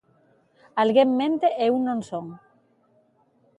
Alguén mente e eu non son.